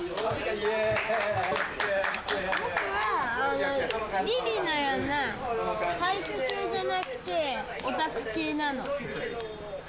僕は、りりいのような体育系じゃなくて、オタク系なの。